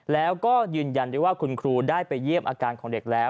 แล้วก็ยืนยันได้ว่าคุณครูได้ไปเยี่ยมอาการของเด็กแล้ว